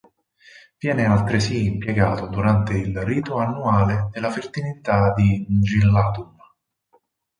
Viene altresì impiegato durante il rito annuale della fertilità di "Ngillatun".